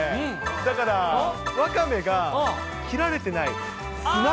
だからわかめが切られてない。